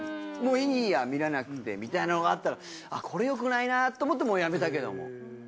もういいや見られなくてみたいなのがあったからこれよくないなと思ってもうやめたけども。